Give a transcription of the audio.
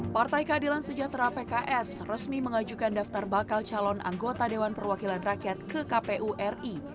partai keadilan sejahtera pks resmi mengajukan daftar bakal calon anggota dewan perwakilan rakyat ke kpu ri